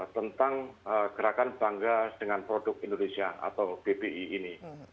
tentang gerakan bangga dengan produk indonesia atau bbi ini